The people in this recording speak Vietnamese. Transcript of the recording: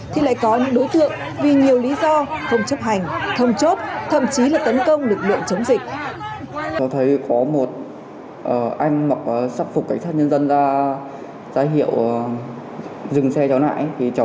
thì lại có những đối tượng vì nhiều lý do không chấp hành thông chốt thậm chí là tấn công lực lượng chống dịch